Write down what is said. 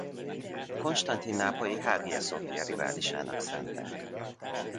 A konstantinápolyi Hagia Szophia riválisának szánták.